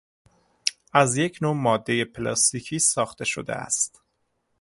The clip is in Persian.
از یک نوع مادهی پلاستیکی ساخته شده است.